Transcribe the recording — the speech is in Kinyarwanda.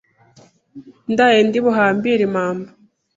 Ndaye ndi buhambire impamba